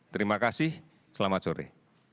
terima kasih selamat sore